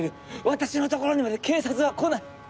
私のところにまで警察は来ない！